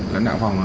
lãnh đạo phòng